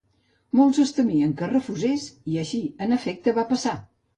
Molts es temien que refusés i així, en efecte, va passar.